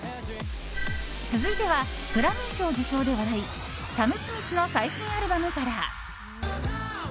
続いてはグラミー賞受賞で話題サム・スミスの最新アルバムから。